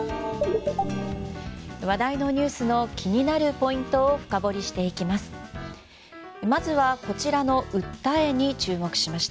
話題のニュースの気になるポイントを深掘りしていきます。